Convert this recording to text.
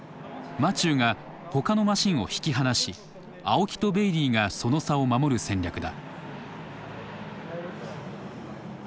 マチューが他のマシンを引き離し青木とベイリーがその差を守る戦略だ。